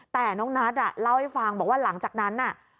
แต่น้องนัทเล่าให้ฟังบอกว่าหลังจากนั้นน่ะ